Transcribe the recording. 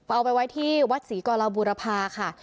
เอาไปไว้ที่วัดศรีกรบุรพาค่ะ